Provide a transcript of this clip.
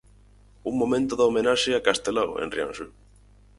Un momento da homenaxe a Castelao en Rianxo.